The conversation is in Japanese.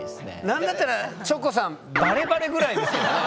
何だったらチョコさんバレバレぐらいですけどね。